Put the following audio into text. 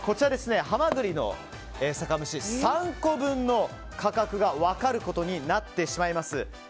ハマグリの酒蒸し３個分の価格が分かることになってしまいます。